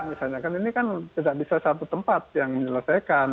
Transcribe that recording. misalnya kan ini kan tidak bisa satu tempat yang menyelesaikan